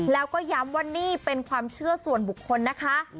แล้วก็ย้ำว่านี่เป็นความเชื่อส่วนบุคคลนะคะ